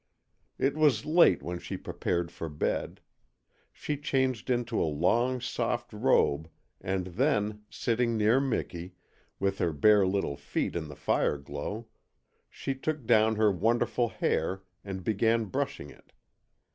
It was late when she prepared for bed. She changed into a long, soft robe, and then, sitting near Miki, with her bare little feet in the fireglow, she took down her wonderful hair and began brushing it.